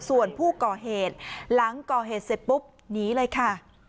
ส่วนผู้ก่อเหตุหลังก่อเหตุเสร็จปุ๊บหนีเลยค่ะ